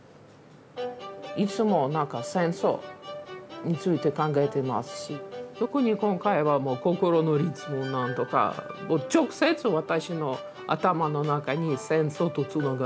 いつも何か戦争について考えてますし特に今回はもう心の悲痛をなんとか直接私の頭の中に戦争とつながるようになりました。